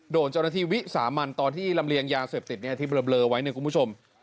โดนเจ้าหน้าที่วิสามันตอนที่ลำเลียงยาเสพติดที่เบลอไว้เนี่ยคุณผู้ชม